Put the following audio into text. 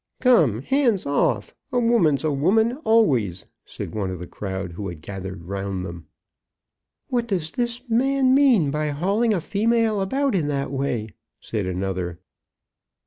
"Come, hands off. A woman's a woman always!" said one of the crowd who had gathered round them. "What does the man mean by hauling a female about that way?" said another.